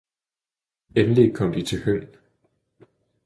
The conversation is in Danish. Endelig kom de til Høng